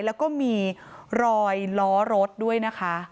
แล้วก็มีรอยล้อรถด้วยนะคะ